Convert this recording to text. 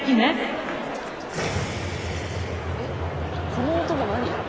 「この音も何？」